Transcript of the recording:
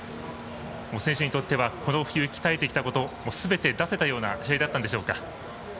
選手にとってこの冬、鍛えてきたことをすべて出せたような試合だったんでしょうか？